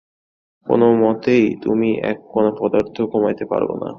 কোনমতেই তুমি এক কণা পদার্থ কমাইতে পার না।